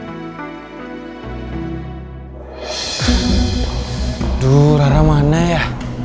aduh rara mana ya